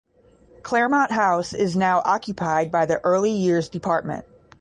"Claremont House" is now occupied by the early years department.